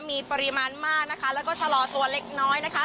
มีปริมาณมากนะคะแล้วก็ชะลอตัวเล็กน้อยนะคะ